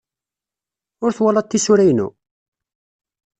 Ur twalaḍ tisura-inu?